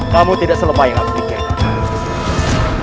kamu tidak selepa yang aku pikirkan